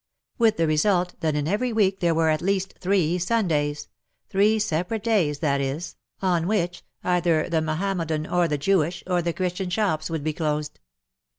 With the result that in every week there were at least three Sundays — three separate days, that is, 132 WAR AND WOMEN on which, either the Mahommedan, or the Jewish, or the Christian shops would be closed.